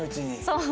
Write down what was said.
そう。